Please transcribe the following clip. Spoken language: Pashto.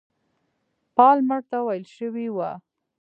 پالمر ته ویل شوي وه.